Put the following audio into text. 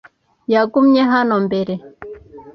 Yagumye hano mbere?